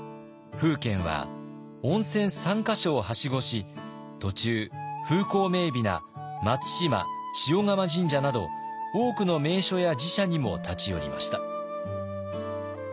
楓軒は温泉３か所をはしごし途中風光明美な松島鹽竈神社など多くの名所や寺社にも立ち寄りました。